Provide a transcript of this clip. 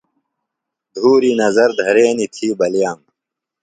دُھوری نظر دھرینیۡ تھی بلیِیم۔